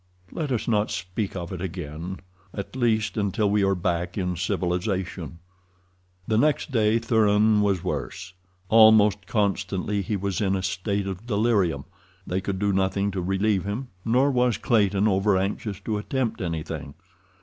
"Let us not speak of it again—at least until we are back in civilization." The next day Thuran was worse. Almost constantly he was in a state of delirium. They could do nothing to relieve him, nor was Clayton over anxious to attempt anything.